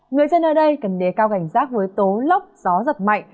người dân ở đây cần đề cao cảnh giác với tố lốc gió giật mạnh